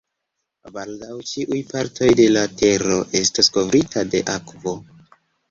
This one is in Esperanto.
Baldaŭ, ĉiuj partoj de la tero estos kovrita de akvo.